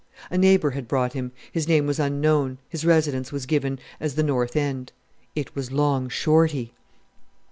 A neighbour had brought him; his name was unknown, his residence was given as the North End. It was Long Shorty!